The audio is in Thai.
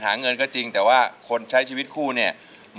หาเงินก็จริงแต่ว่าคนใช้ชีวิตคู่เนี่ย